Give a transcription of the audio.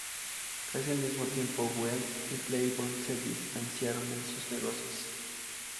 Casi al mismo tiempo, Weigel y Playboy se distanciaron en sus negocios.